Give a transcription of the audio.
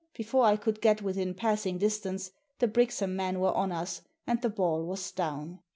Before I could get within passing distance the Brixham men were on us, and the ball was down.